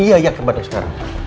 iya iya ke bandung sekarang